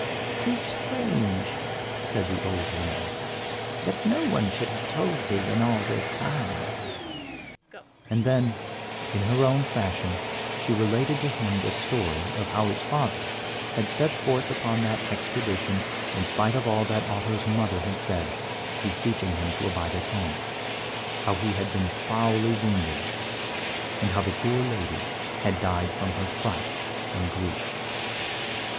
"Tis strange," said the old woman, "that no one should have told thee in all this time." And then, in her own fashion she related to him the story of how his father had set forth upon that expedition in spite of all that Otto's mother had said, beseeching him to abide at home; how he had been foully wounded, and how the poor lady had died from her fright and grief.